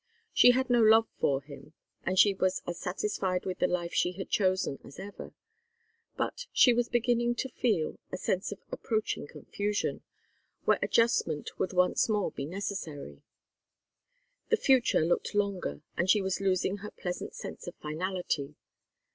She had no love for him, and she was as satisfied with the life she had chosen as ever, but she was beginning to feel a sense of approaching confusion, where readjustment would once more be necessary. The future looked longer, and she was losing her pleasant sense of finality.